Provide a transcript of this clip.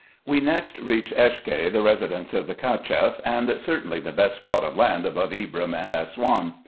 We next reached Eshke, the residence of the Cacheff, and certainly the best spot of land above Ibrim and Assouan.